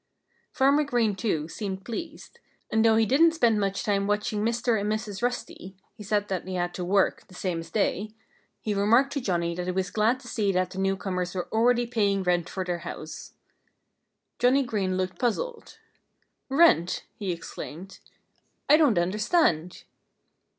Farmer Green, too, seemed pleased. And though he didn't spend much time watching Mr. and Mrs. Rusty (he said that he had to work, the same as they), he remarked to Johnnie that he was glad to see that the newcomers were already paying rent for their house. Johnnie Green looked puzzled. "Rent?" he exclaimed. "I don't understand."